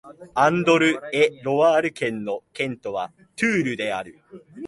アンドル＝エ＝ロワール県の県都はトゥールである